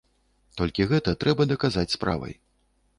Толькі гэта трэба даказаць справай.